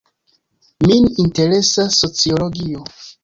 Min interesas sociologio.